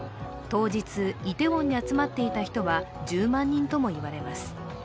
当日、イテウォンに集まっていた人は１０万人とも言われます。